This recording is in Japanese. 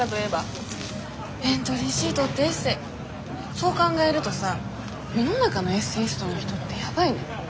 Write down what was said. そう考えるとさ世の中のエッセイストの人ってやばいね。